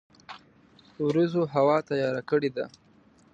وریځوهوا تیار کړی ده